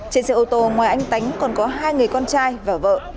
trên xe ô tô ngoài anh tánh còn có hai người con trai và vợ